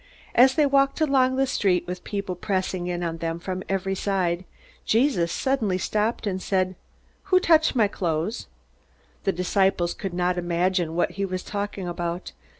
As they walked along the street, with people pressing in on them from every side, Jesus suddenly stopped and said, "Who touched my clothes?" The disciples could not imagine what he was talking about.